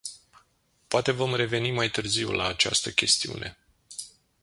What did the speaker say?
Poate vom reveni mai târziu la această chestiune.